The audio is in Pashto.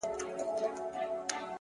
وخت د هر څه ارزښت ښيي.